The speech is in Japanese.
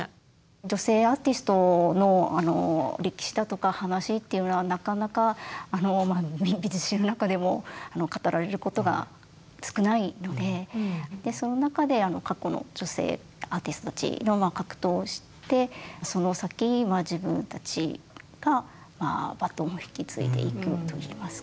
女性アーティストの歴史だとか話っていうのはなかなか美術史の中でも語られることが少ないのでその中で過去の女性アーティストたちの格闘を知ってその先自分たちがバトンを引き継いでいくといいますか。